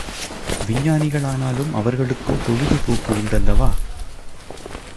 விஞ்ஞானிகள் ஆனாலும் அவர்களுக்கும் பொழுது போக்கு உண்டல்லவா?